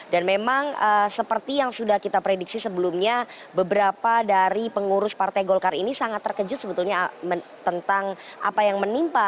dan memang seperti yang sudah kita prediksi sebelumnya beberapa dari pengurus partai golkar ini sangat terkejut sebetulnya tentang apa yang menimpa